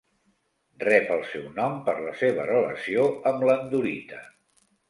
Rep el seu nom per la seva relació amb l'andorita.